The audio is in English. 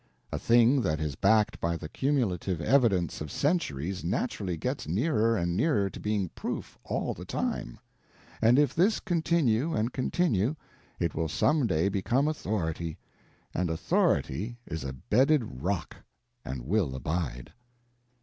A thing that is backed by the cumulative evidence of centuries naturally gets nearer and nearer to being proof all the time; and if this continue and continue, it will some day become authority—and authority is a bedded rock, and will abide.